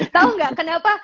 tau gak kenapa